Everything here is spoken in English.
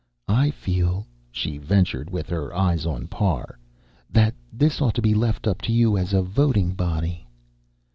"I feel," she ventured with her eyes on Parr, "that this ought to be left up to you as a voting body."